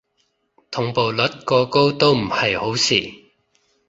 同步率過高都唔係好事